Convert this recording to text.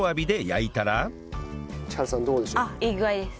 いい具合です。